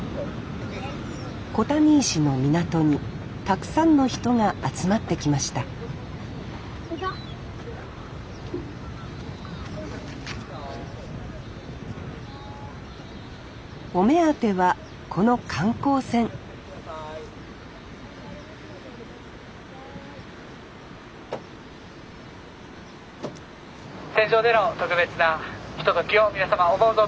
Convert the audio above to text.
小谷石の港にたくさんの人が集まってきましたお目当てはこの観光船船上での特別なひとときを皆様思う存分お楽しみ下さい。